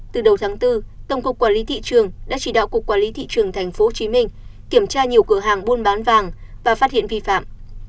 thủ tường đã chỉ đạo cục quản lý thị trường tp hcm kiểm tra nhiều cửa hàng buôn bán vàng và phát hiện vi phạm